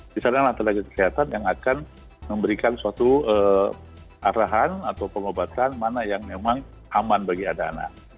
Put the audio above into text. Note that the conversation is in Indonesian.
bisa ada lantai lagi kesehatan yang akan memberikan suatu arahan atau pengobatan mana yang memang aman bagi ada anak